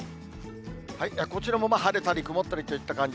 こちらもまあ晴れたり曇ったりといった感じ。